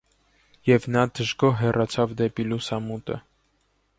Եվ նա դժգոհ հեռացավ դեպի լուսամուտը: